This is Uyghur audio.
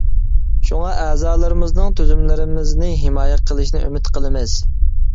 شۇڭا ئەزالىرىمىزنىڭ تۈزۈملىرىمىزنى ھىمايە قىلىشىنى ئۈمىد قىلىمىز!